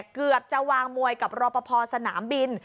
เกือบจะวางมวยกับรอปภสนามบิน